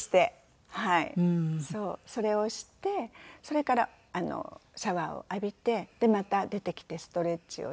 それをしてそれからシャワーを浴びてでまた出てきてストレッチをしてっていう感じですね。